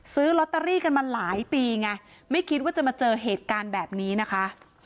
ซื้อลอตเตอรี่กันมาหลายปีไงไม่คิดว่าจะมาเจอเหตุการณ์แบบนี้นะคะ